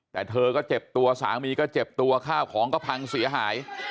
แต่เธอก็เจ็บตัวสามีก็เจ็บตัวข้าวของก็พังเสียหาย